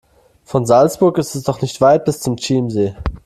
Von Salzburg ist es doch nicht weit bis zum Chiemsee.